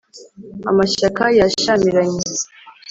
amashyaka yashyamiranye